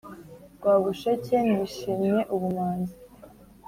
Rwabusheke nishimye ubumanzi